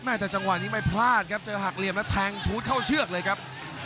แต่จังหวะนี้ไม่พลาดครับเจอหักเหลี่ยมแล้วแทงชูดเข้าเชือกเลยครับ